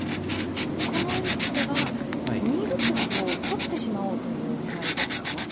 この一手は２六歩を取ってしまおうという狙いですか？